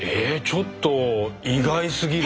ちょっと意外すぎる。